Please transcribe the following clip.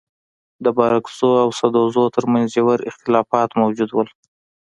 د بارکزيو او سدوزيو تر منځ ژور اختلافات موجود وه.